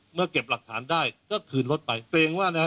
เมื่อเก็บหลักฐานได้ก็คืนรถไปเกรงว่านะฮะ